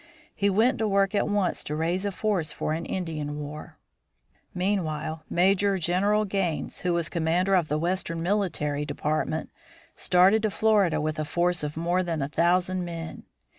He went to work at once to raise a force for an Indian war. Meanwhile Major General Gaines, who was commander of the Western Military Department, started to Florida with a force of more than a thousand men.